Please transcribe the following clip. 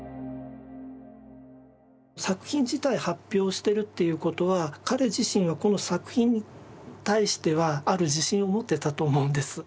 作品自体発表してるっていうことは彼自身はこの作品に対してはある自信を持ってたと思うんです。